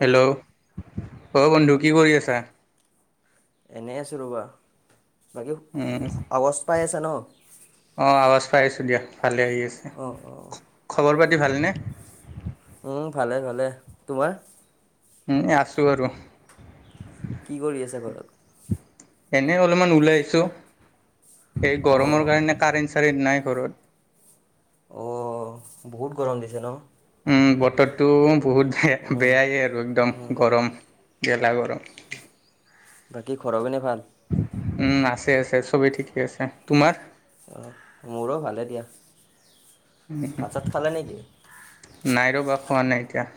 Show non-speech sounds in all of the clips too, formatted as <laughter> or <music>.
Hello, অ' বন্ধু কি কৰি আছা। এনে আছোঁ ৰ'বা। বাকী উম আগছ পাই আছে ন। পাইছোঁ দিয়া ভালে আহি আছে অঁ অঁ খবৰ পাতি ভালনে। উম, ভালে- ভালে তোমাৰ। উম, এই আছোঁ আৰু। কি কৰি আছা ঘৰত। এনে অলমান ওলাই আহিছো, এই অঁ গৰমৰ অঁ কাৰণে কাৰেণ কাৰেণ্ট নাই ঘৰত। অ' বহুত গৰম দিছে ন? উম, বতৰটো বহুত উম, বেয়াই আৰু, একদম উম। গৰম গেলা গৰম। বাকী, ঘৰ পিনে ভাল? উম আছে আছে, চবেই ঠিকেই আছে। তোমাৰ? অঁ, মোৰো ভালেই দিয়া। ভাত চাত খালে নেকি নাই ৰবা, খোৱা নাই এতিয়া।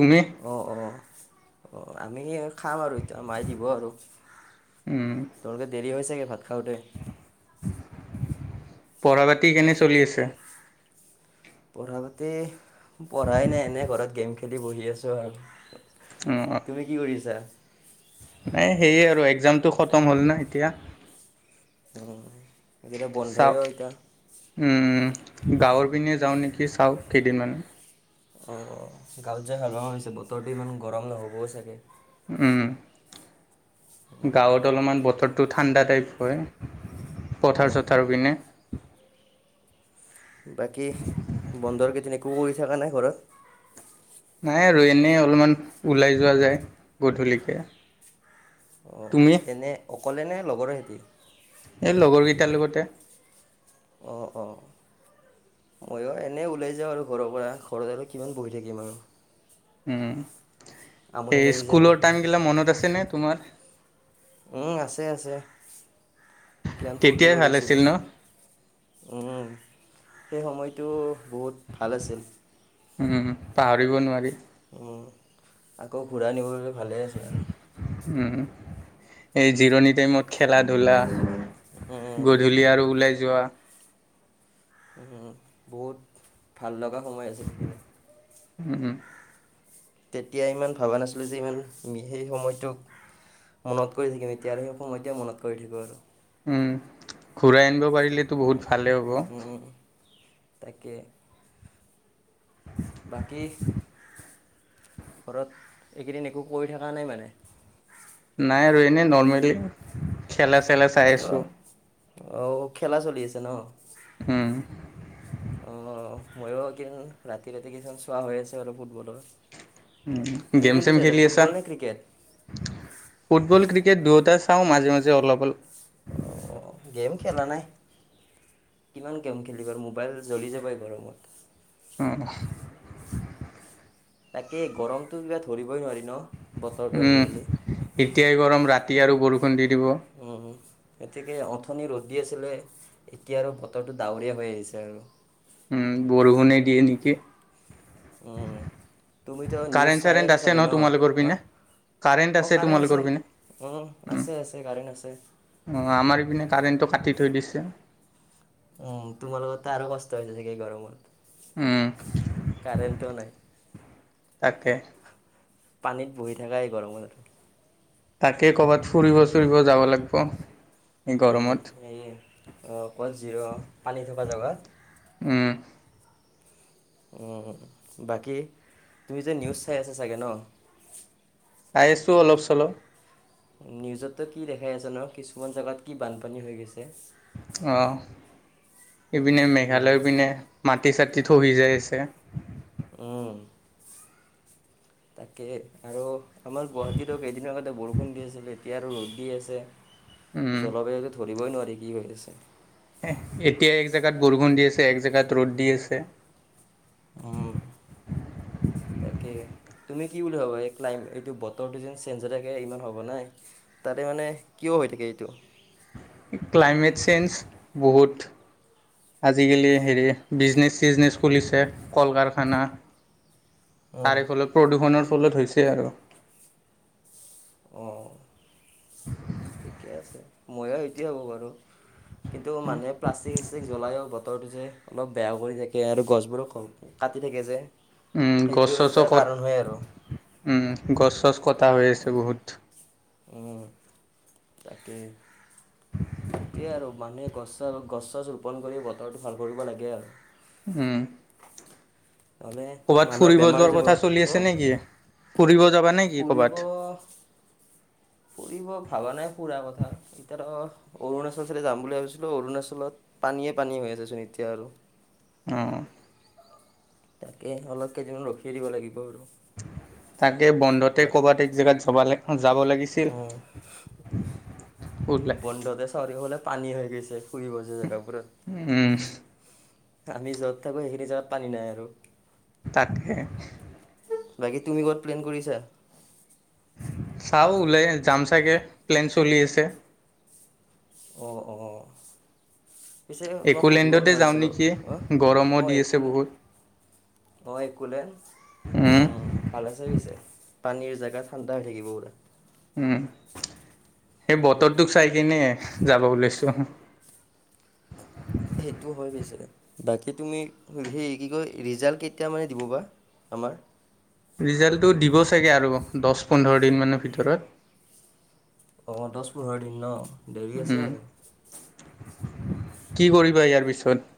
তুমি? অ' অ' অ' আমি এ খাম আৰু এতিয়া মাই দিব আৰু। উম তোমালোকে দেৰি হয় চাগে ভাত খাওঁতে? পঢ়া বাতি কেনে চলি আছে? পঢ়া পাতি পঢ়াই নাই, এনেই ঘৰত গেম খেলি বহি আছোঁ আৰু। তুমি কি কৰিছা? নাই সেয়ে আৰু একজামটো খতম হ'ল ন এতিয়া? অ <unintelligible> চাওক, উম গাঁৱৰ পনে যাওঁ নেকি চাওঁক কেইদিনমান, অ অ গও যা হালা হৈছে বতৰটো ইমান গৰম নহ'বও চাগে, উম,, গাঁৱত অলপমান বতৰটো ঠাণ্ডা টাইপ হয়। পথাৰ অঁ, চথাৰ পিনে। বাকী বন্দৰ তেনেকৈও কৰি থাকা নাই ঘৰত? নাই আৰু এনেই অলপমান ওলাই যোৱা যায়, গধূলিকৈ। অঁ এনে অকলে নে লগৰ সিঁতি? এই লগৰ কেইটাৰ লগতে। মই অ এনেই ওলাই যাওঁ আৰু ঘৰৰ পৰা ঘৰত আৰু কিমান বহি থাকিম আৰু। আমনি এই লাগি যায় বহি স্কুলৰ বহি। টাইমগিলা মনত আছেনে তোমাৰ? উম আছে আছে। জ্ঞান ফুৰ্তি তেতিয়াই ভাল আছিল কৰিছিলোঁ ন উ সেই সময়টো বহুত ভাল আছিল। উম পাহৰিব নোৱাৰি। আকৌ ঘূৰাই নিব ভালে আছে আৰু। উম, এই জিৰণি টাইমত খেলা ধূলা উম। গধূলি আৰু ওলাই যোৱা উম, বহুত ভাল লগা সময় আছে, সেইখিনি উম, হম। তেতিয়া ইমান ভবা নাছিলো যে ইমান, সেই সময়টোক মনত কৰি থাকিম, এতিয়া আৰু সেই সময়তে মনত কৰি থাকিম আৰু উম, ঘূৰাই আনিব পাৰিলেতো বহুত ভালে হব। তাকে, বাকী ঘৰত এইকেইদিন একো কৰি থকা নাই মানে নাই আৰু এনেই নৰ্মেলি, খেলা চেলা চাই আছোঁ। অহ, খেলা চলি আছে নহ হম মইয়ো একেদিন ৰাতি ৰাতি কিছুমান চোৱা হৈ আছে আৰু ফুটবলৰ তুমি গেম কোনটো চেম চাইছা খেলি আছা, ফুটবল নে ক্ৰিকেট ফুটবল ক্ৰিকেট দুয়োটা চাওঁ মাজে মাজে অলপ অলপ অ গেম খেল নাই। কিমান গেম খেলিম আৰু মোবাইল জ্বলি যাব এই গৰমত উম তাকেই গৰমতো কিবা ধৰিবই নোৱাৰি ন! বতৰটো উম, আজিকালি এতিয়াই গৰম, ৰাতি আৰু বৰষুণ দি দিব উম, এতেকে অথনি ৰ'দ দি আছিলে এতিয়া আৰু বতৰটো ডাৱৰীয়া হৈ আহিছে আৰু। উম বৰষুণে দিয়ে নেকি। উম তুমিতো নিউজ কাৰেণ্ট চাই চাৰেণ্ট আছা আছে চাগে ন তোমালোকৰ হা? পিনে অ কাৰেণ্ট আছে, উম্ আছে আছে কাৰেণ্ট আছে। অ আমাৰ এইপিনে কাৰেণ্টটো কাটি থৈ দিছে। অ তোমালোকৰ ত আৰু কষ্ট হৈছে চাগে গৰমত। উম। কাৰেণ্টো নাই তাকে। পানীত বহি থাকা এই গৰমট। তাকে কৰ'বাত ফুৰিব চুৰিব যাব লাগব। উম এই ক'ত জিৰ' পানী থকা উম, জেগাত। উম বাকী তুমি যে নিউজ চাই আছা চাগে ন? চাই আছোঁ অলপ চলপ। নিউজত ত কি দেখাই আছে ন কিছুমান জাগাত কি বানপানী হৈ গৈছে। অ এইপিনে উম, মেঘালয়ৰ পিনে মাটি চাটি খহি যায় আছে। <unintelligible> উম। <inaudible> তাকে আৰু আমাৰ গুৱাহাটীতো কেইদিন আগতে বৰষুণ দি আছিল এতিয়া আৰু ৰ'দ দি আছে। উম জলবায়ুতো ধৰিবই নোৱাৰি কি হৈ আছে। এহ এতিয়া এক জেগাত বৰখুণ দি আছে এক জেগাত ৰ'দ দি আছে। উম। <inaudible> তাকে তুমি কি বুলি ভাবা এই ক্লাইমে এইটো বতৰটো যে চেঞ্জ হৈ থাকে ইমান হ'ব নাই। তাতে মানে কিয় হৈ থাকে এইটো? ক্লাইমেট চেঞ্জ বহুত। আজিকালি হেৰি বিজনেছ, চিজনেছ খুলিছে কল- কাৰখানা। উম, তাৰে ফলত প্ৰদূষণৰ ফলত হৈছে আৰু। অঁ ঠিকে আছে ময়ো একোৱেই ভাবু বাৰো কিন্তু মানুহে প্লাষ্টিক- চাষ্টিক জ্বলায়ো ব বতৰটো যে অলপ বেয়াও কৰি থাকে আৰু গছবোৰো কাটি থাকে যে সেইটো গছ-চছ এটা ক'ত কাৰণ হয় আৰু উম গছ-চছ কটা হৈ আছে বহুত। তাকে। সেটোয়ে আৰু মানুহে গছ-চছ, গছ-চছ ৰোপন কৰি বতৰটো ভাল কৰিব লাগে আৰু উম নহ'লে ক'ৰবাত মানুহৰ ফুৰিব বেমাৰ হৈ যোৱাৰ যাব কথা চলি হু আছে নেকি? ফুৰিব যাবা নেকি ফুৰিব কৰ'বাত? ফুৰিব ভাবা নাই ফুৰা কথা এতিয়া ৰ অৰুণাচলৰে যাম বুলি ভাবিছিলো অৰুণাচলত পানীয়ে পানী হৈ আছে চোন এতিয়া আৰু অ'। তাকে অলপ কেইদিনত ৰখিয়ে দিব লাগিব আৰু। তাকে বন্ধতে কবাত এক জেগাত যাব লাগে উম, ওলাই বন্ধতে <unintelligible> হ'লে পানী হৈ গৈছে, ফুৰিব যোৱা জেগাবোৰ উম'। আমি য'ত থাকো সেইখিনি জেগাত পানী নাই আৰু। তাকে। বাকী তুমি ক'ত প্লেন কৰিছা? চাও ওলাই যাম চাগে প্লেন চলি আছে। অ - অ। পিছে মই সুধিব একোলেণ্ডতে যাও পাহৰিছিলোঁ নেকি অ গৰমো অ দি আছে একোলেন বহুত। অ, একুলেণ্ড উম, ভাল আছে পিছে। পানীৰ জেগা ঠাণ্ডা হৈ থাকিব পুৰা। উম, সেই বতৰটোক চাই কিনে যাব ওাইছো। সেইটো হৈ পিছে বাকী তুমি সেই কি কয় ৰিজাল্ট কেতিয়া মানে দিব বা? আমাৰ ৰিজাল্টটো দিব চাগে আৰু দহ পোন্ধৰ দিন মানৰ ভিতৰত। অ, দহ পোন্ধৰ দিন ন দেৰি আছে উম, আৰু। কি কৰিবা ইয়াৰ পিছত।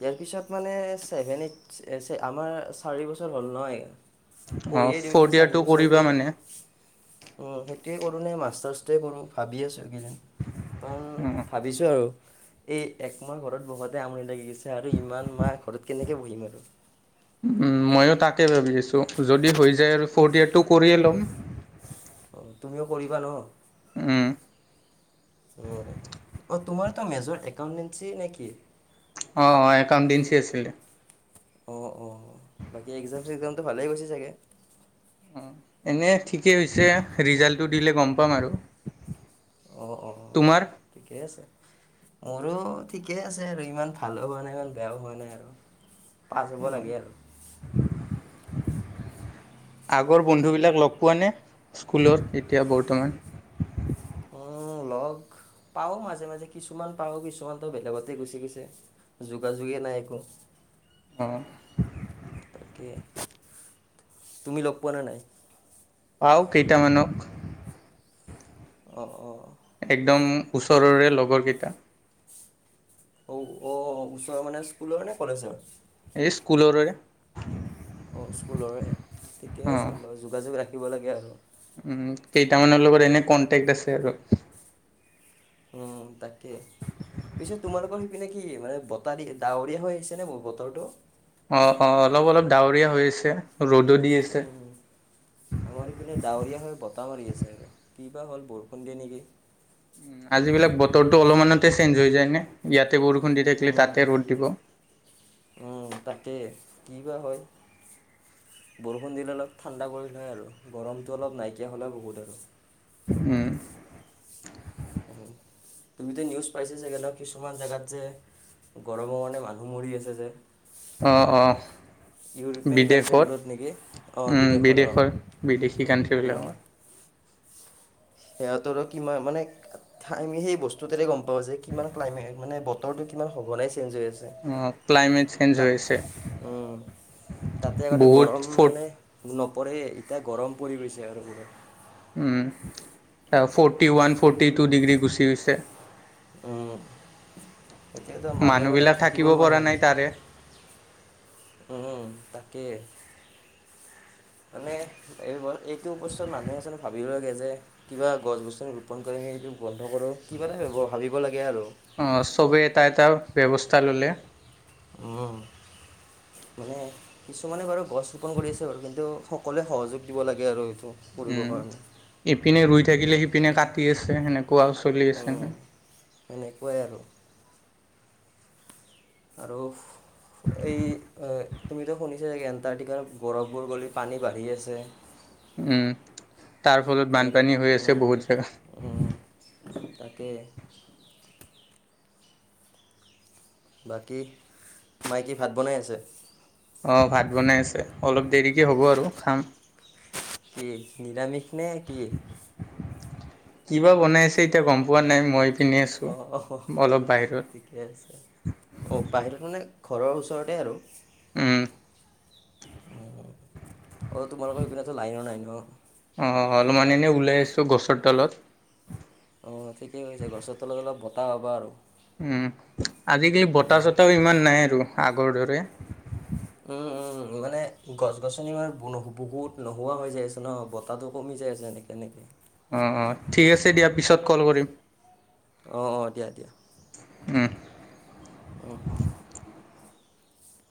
ইয়াৰ পিছত মানেভেন এই আমাৰ চাৰি বছৰ হল নহয়। অ' কৰিয়ে দিও নেকি ফ'ৰ্থ চাৰি ইয়েৰটো কৰিবা বছৰৰতটো মানে। উম, সেইটোয়ে কৰো নে মাষ্টাৰ্ছটোৱে কৰো ভাবি আছো এইকেইজনিন কাৰণ অ', ভাবিছো আৰু। এ - একমৰ ঘৰত বহাতে আমনি লাগি গৈছে। আৰু ইমান মা ঘৰত কেনেকৈ বহিম আৰু। ময়ো তাকে ভাবি আছো যদি হৈ যায় আৰু ফ'ৰ্থ ইয়োৰটো কৰিয়ে ল'ম। অ, তুমিও কৰিবা ন উম, উম, অ, তোমাৰ এটা মেজৰ একাউণ্টেঞ্চি নেকি? অ - অ একাউণ্টেন্সী আছিলে। অ - অ বাকী এক্জাম চিক্জামটো ভালেই গৈছেি চাগে। অ, এনে ঠিকেই হৈছে ৰিজাল্টটো দিলে গম পাম আৰু। অ-অ তোমাৰ ঠিকেই আছে। মোৰো ঠিকেই আছে আৰু ইমান ভালো হোৱা নাই ইমান বেয়াও হোৱা নাই আৰু। পাছ হ'ব লাগে আৰু। <inaudible> আগৰ বন্ধুবিলাক লগ পোৱা নে স্কুলৰ এতিয়া বৰ্তমান লগ পাও মাজে - মাজে কিছুমান পাও কিছুমানতো বেলেগতে গুচি গুছে যোগাযোগে নাই একো। অ', তাকে তুমি লগ পোৱা ন নাই। বাও কেইটামানক অ - অ। একদম ওচৰৰে লগৰকেইটা। অ - অ ওচৰৰ মানে স্কুলৰ নে কলেজৰ। এই স্কুলৰে। অ, স্কুলৰে ঠিকে আছে ল যোগাযোগ ৰাখিব লাগে আৰু। উম, কেইটামানৰ লগত এনে কনটেক্ট আছে আৰু। তাকে পিছে তোমালোকৰ সেইপিনে কি মানে বতাৰ ডাৱৰীয়া হৈ আহিছে নে বতৰটো। অ - অ অলপ - অলপ ডাৱৰীয়া হৈ আছে। ৰ'দো দি আছে। উম, আমাৰ এইখনে ডাৱৰীয়া হৈ বত কটা মাৰি আছে আৰু কিবা হ'ল বৰষুণ দিয়ে নেকি? আজ বিলাক বতৰটো অলপমানতে চেঞ্জ হৈ যায় নে ইয়াত তাতে বৰষুণ দি থাকিলে উম। তাতে ৰ'দ দিব। উম, তাকে কি বা হয়। বৰষুণ দিলে অলপ ঠাণ্ডা কৰিলে হয় আৰু গৰমটো অলপ নাইকিয়া হ'লেও বহুত আৰু। হয়। উম, তুমিতো নিউজ পাইছা চাগে ন কিছুমান জেগাত যে গৰমৰ কাৰণে মানুহ মৰি আছে যে। অ অ ইউৰোপীয়ান বিদেশত কাণ্ট্ৰিবোৰত নেকি অ' ও অ'। বিদেশৰ বিদেশী কাণ্ট্ৰিবিলাকত। সিহঁতৰ কি মানে আমি সেই বস্তুতে গম পাও যে কিমান ক্লাইমে মানে বতৰটো কিমান সঘনাই চেঞ্জ হৈ আছে। ক্লাইমেট চেইঞ্জ তাত হৈ আছে। তাতে আগতে বহুত গৰম ফ'ৰ্ট মানে নপৰে এতিয়া গৰম পৰি গৈছে আৰু পূৰা। Um, forty one forty two degree গুচি গৈছে। উম এতিয়াতো মানুহ মানে মানুহবিলাক থাকিব নোৱাৰা পৰা নাই হৈছে। তাৰে উম তাকে। মানে এই এইটো অৱস্থাত মানুহে যেন ভাবিব লাগে যে কিবা গছ গছনি ৰোপণ কৰি সেইটো বন্ধ কৰোঁ কিবা এটা ভাবিব লাগে আৰু। অ চবেই এটা এটা ব্যৱস্থা ল'লে উম মানে কিছুমানে বাৰু গছ ৰোপন কৰি আছে বাৰু কিন্তু সক কলোৱে সহযোগ দিব লাগে আৰু সেইটো কৰিব উম কাৰণে। ইপিনে ৰুই থাকিলে সিপিনে কাটি আছে সেনেকুৱা চলি আছে নে? পয় আৰু। আৰু এই তুমিতো শুনিছা চাগে এণ্টাৰ্টিকাৰ বৰফবোৰ গলি পানী বাঢ়ি আছে। উম তাৰ ফলত এনেকৈ বানপানী হৈ আছে বহুত জেগাত। তাকে বাকী মাই কি ভাত বনাই আছে? অ ভাত বনাই আছে। অলপ দেৰিকে হ'ব আৰু খাম। কি নিৰামিষ নে কি কিবা বনাই আছে এতিয়া গম পোৱা নাই মই পিনে অ আছোঁ অলপ বাহিৰত ঠিকে আছে অ বাহিৰত মানে ঘৰৰ ওচৰতে আৰু উম উ অ তোমালোকৰ হিপিনেতো লাইন নাই ন। অ অলপমান এনেই ওলাই আইছো গছৰ তলত। অ ঠিকেই গৈছে গছৰ তলত অলপ বতাহ পাবা আৰু। উম আজিকালি বতাহ আৰু চতাহও ইমান নাই আৰু আগৰ দৰে। উম উম। মানে গছ গছনি মানে বহুত নোহোৱা হৈ যায় আছে ন বতাহটো কমি যায় আছে এনেকে এনেকে অ অ ঠিক আছে দিয়া পিছত কল কৰিম। অ অ দিয়া দিয়া। উম অ